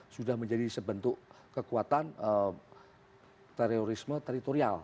sudah menjadi sebentuk kekuatan terorisme teritorial